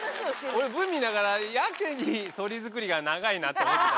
俺ＶＴＲ見ながらやけにそり作りが長いなと思ってた。